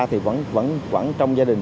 thì vẫn trong gia đình